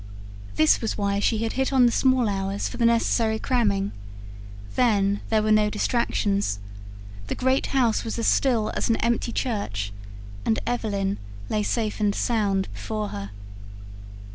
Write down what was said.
This was why she had hit on the small hours for the necessary cramming; then, there were no distractions: the great house was as still as an empty church; and Evelyn lay safe and sound before her.